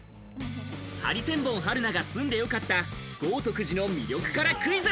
ハリセンボン・春菜が住んで良かった豪徳寺の魅力からクイズ。